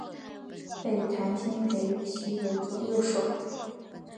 被谭鑫培倚为左右手。